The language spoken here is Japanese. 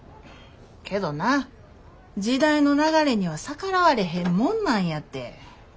けどな時代の流れには逆らわれへんもんなんやて。